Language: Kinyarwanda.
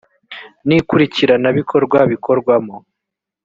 n ikurikirana bikorwa bikorwamo